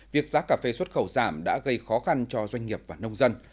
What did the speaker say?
việc giá cà phê xuất khẩu giảm đã gây khó khăn cho doanh nghiệp và nông dân